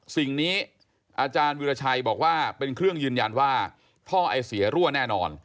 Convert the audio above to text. สิ่งนี้อาจารย์วิราชัยบอกว่าเป็นเครื่องยืนยันว่าท่อไอเสียรั่วแน่นอน